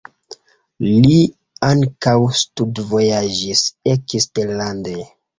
Li ankaŭ studvojaĝis eksterlande.